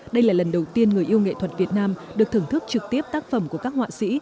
đây là lần đầu tiên người yêu nghệ thuật việt nam được thưởng thức trực tiếp tác phẩm của các họa sĩ